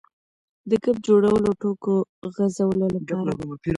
د ګپ جوړولو او ټوکو غځولو لپاره.